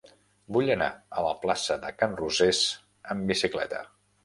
Vull anar a la plaça de Can Rosés amb bicicleta.